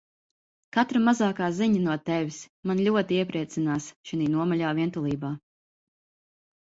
Katra mazākā ziņa no Tevis mani ļoti iepriecinās šinī nomaļā vientulībā.